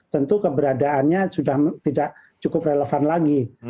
tentu keberadaannya sudah tidak cukup relevan lagi